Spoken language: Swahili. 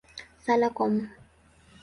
Sala kwa Mt.